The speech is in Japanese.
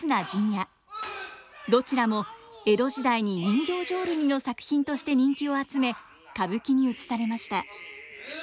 どちらも江戸時代に人形浄瑠璃の作品として人気を集め歌舞伎にうつされました。